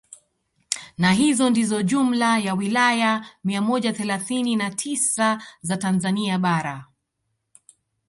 Na hizo ndizo jumla ya wilaya mia moja thelathini na tisa za Tanzania bara